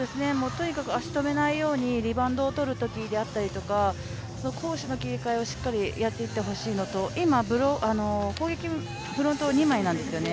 とにかく足を止めないようにリバウンドをとるときであったりとか攻守の切り換えをしっかりやっていってほしいのと、今、攻撃、フロントが二枚なんですよね。